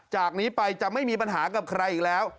จากนี้ไปจะไม่มีปัญหากับใครอีกแล้ว